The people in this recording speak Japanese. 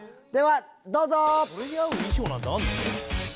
ではどうぞ！